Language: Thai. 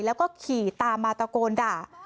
แล้วก็ขี่ตามมาตะโกนด่า